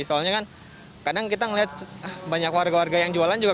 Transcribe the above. soalnya kan kadang kita melihat banyak warga warga yang jualan juga